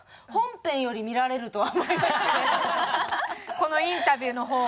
このインタビューの方が。